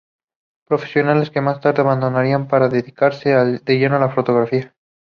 Profesiones que más tarde abandonaría para dedicarse de lleno a la fotografía.